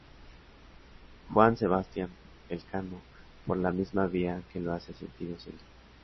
Juan Sebastián Elcano, por la misma vía que lo hace sentido Centro.